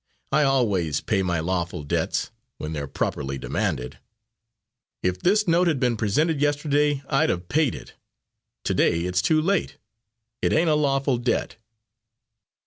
I always pay my lawful debts, when they're properly demanded. If this note had been presented yesterday, I'd have paid it. To day it's too late. It ain't a lawful debt."